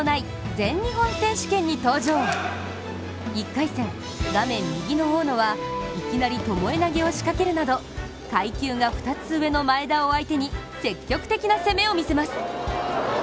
ＪＴ１回戦、画面右の大野はいきなり巴投げを仕掛けるなど、階級が二つ上の前田を相手に積極的な攻めを見せます。